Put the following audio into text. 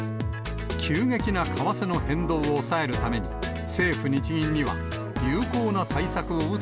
急激な為替の変動を抑えるため、政府・日銀には、有効な対策を打